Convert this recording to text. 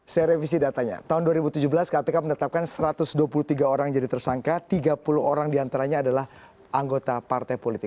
saya revisi datanya tahun dua ribu tujuh belas kpk menetapkan satu ratus dua puluh tiga orang jadi tersangka tiga puluh orang diantaranya adalah anggota partai politik